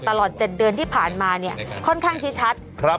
ตลอด๗เดือนที่ผ่านมาเนี่ยค่อนข้างชี้ชัด